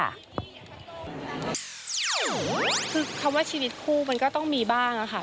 คือคำว่าชีวิตคู่มันก็ต้องมีบ้างค่ะ